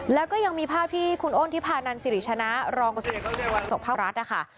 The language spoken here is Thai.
แล้วก็ยังมีภาพที่คุณอ้นทิพานันสิริชนะรองศกภาครัฐนะคะ